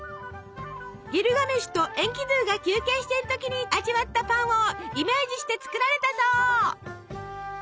ギルガメシュとエンキドゥが休憩してる時に味わったパンをイメージして作られたそう！